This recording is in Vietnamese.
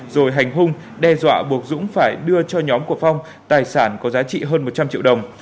rồi hành hung đe dọa buộc dũng phải đưa cho nhóm của phong tài sản có giá trị hơn một trăm linh triệu đồng